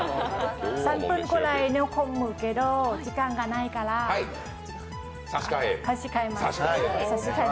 ３分くらい煮込むけど時間がないから差し替えます。